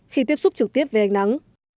khi tiếp xúc trực tiếp với ánh nắng